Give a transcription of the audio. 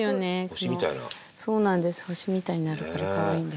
星みたいになるから可愛いんです。